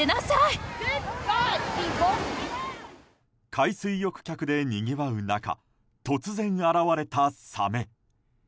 海水浴客でにぎわう中突然現れたサメ。